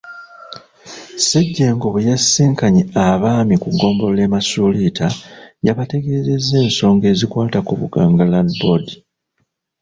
Ssejjengo bwe yasisinkanye Abaami ku ggombolola e Masuuliita, yabategeezezza ensonga ezikwata ku Buganga Land Board.